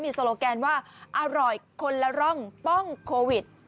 โซโลแกนว่าอร่อยคนละร่องป้องโควิด